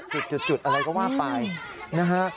จุดอะไรก็ว่าไปนะฮะ